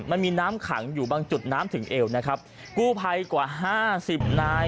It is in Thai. มันมีน้ำขังอยู่บางจุดน้ำถึงเอวนะครับกู้ภัยกว่าห้าสิบนาย